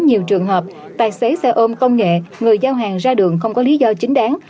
nhiều trường hợp tài xế xe ôm công nghệ người giao hàng ra đường không có lý do chính đáng